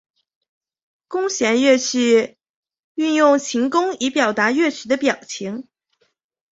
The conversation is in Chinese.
弓弦乐器运用琴弓以表达乐曲的表情。